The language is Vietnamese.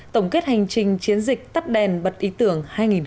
tổng kết hành trình chiến dịch tắt đèn bật ý tưởng hai nghìn một mươi chín